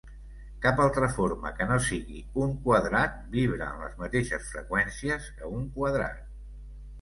Cap altra forma que no sigui un quadrat vibra en les mateixes freqüències que un quadrat.